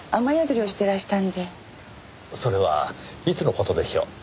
それはいつの事でしょう？